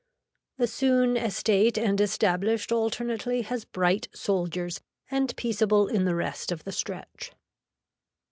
The soon estate and established alternately has bright soldiers and peaceable in the rest of the stretch.